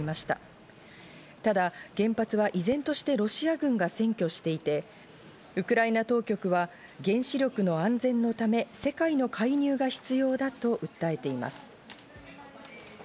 ただ原発は依然としてロシア軍が占拠していてウクライナ当局は原子力の安全のため、世界の介入が必要だと訴えています。